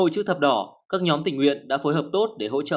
về cà mau tránh dịch